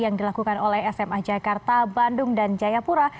yang dilakukan oleh sma jakarta bandung dan jayapura